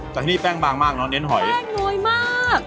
แต่ที่นี่แป้งบางมากเนอะเน้นหอยแป้งน้อยมาก